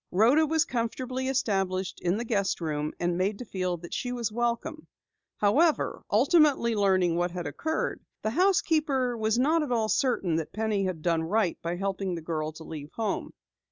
Rhoda was comfortably established in the guest room and made to feel that she was welcome. However, ultimately learning what had occurred, the housekeeper was not at all certain that Penny had done right by helping the girl to leave home.